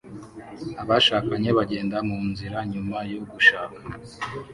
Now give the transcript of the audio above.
Abashakanye bagenda munzira nyuma yo gushaka